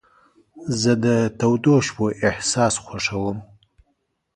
زه د تودو شپو احساس خوښوم.